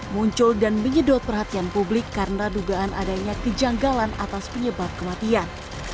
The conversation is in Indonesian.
muncul dan menyedot perhatian publik karena dugaan adanya kejanggalan atas penyebab kematian